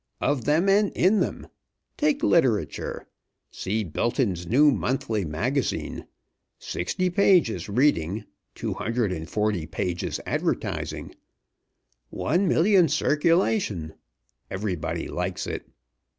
Of them and in them. Take literature. See 'Bilton's New Monthly Magazine.' Sixty pages reading; two hundred and forty pages advertising; one million circulation; everybody likes it.